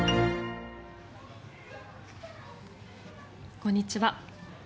こんにちは。